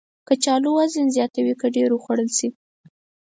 کچالو وزن زیاتوي که ډېر وخوړل شي